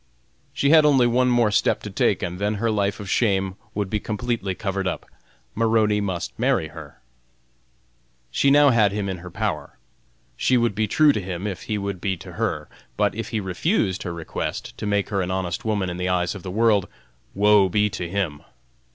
She had only one more step to take and then her life of shame would be completely covered up: Maroney must marry her!! She now had him in her power; she would be true to him if he would be to her; but if he refused her request to make her an honest woman in the eyes of the world, woe be to him!!